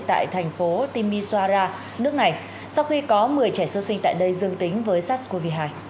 tại thành phố timesira nước này sau khi có một mươi trẻ sơ sinh tại đây dương tính với sars cov hai